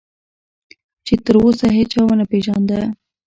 چې تراوسه هیچا ونه پېژانده.